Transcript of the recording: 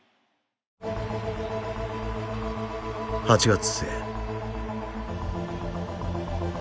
８月末。